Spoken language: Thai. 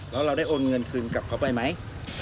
แล้วเราได้โอนเงินคืนกลับเขาไปไหม